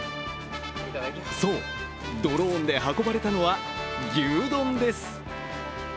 そう、ドローンで運ばれたのは牛丼です。